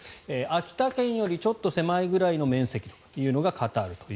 秋田県よりちょっと狭いぐらいの面積というのがカタール。